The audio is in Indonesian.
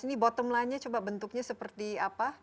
ini bottom line nya coba bentuknya seperti apa